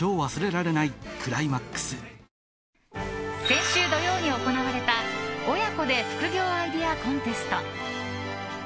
先週土曜に行われた親子で副業アイデアコンテスト。